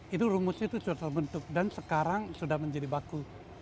itu rumusnya itu sudah terbentuk dan sekarang sudah menjadi baku